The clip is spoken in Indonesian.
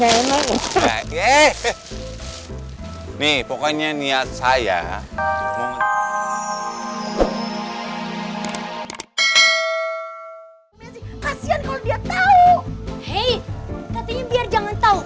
hei katanya biar jangan tau